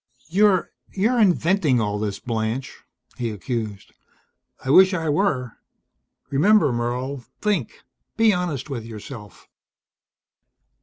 "You're you're inventing all this, Blanche," he accused. "I wish I were. Remember, Merle. Think. Be honest with yourself."